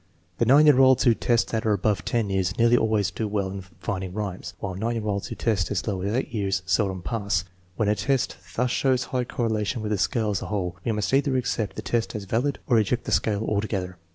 The 9 year olds who test at or above 10 years nearly always do well in finding rhymes, while 9 year olds who test as low as 8 years seldom pass. When a test thus shows high correlation with the scale as a whole, we must either accept the test as valid or reject the scale altogether.